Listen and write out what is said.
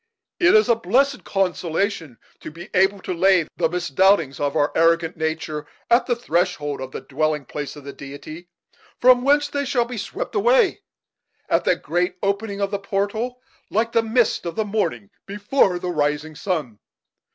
It is a blessed consolation to be able to lay the misdoubtings of our arrogant nature at the threshold of the dwelling place of the Deity, from whence they shall be swept away, at the great opening of the portal, like the mists of the morning before the rising sun.